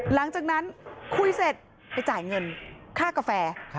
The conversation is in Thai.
หลังจากนั้นคุยเสร็จไปจ่ายเงินค่ากาแฟ